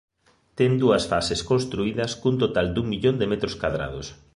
Ten dúas fases construídas cun total dun millón de metros cadrados.